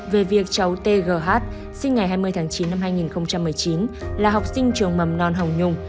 về việc cháu tgh sinh ngày hai mươi tháng chín năm hai nghìn một mươi chín là học sinh trường mầm non hồng nhung